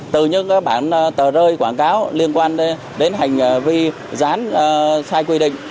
từ những bản tờ rơi quảng cáo liên quan đến hành vi dán sai quy định